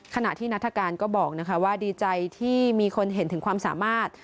ขณะที่นัฐกาลก็บอกว่าดีใจที่มีคนเห็นถึงความสามารถ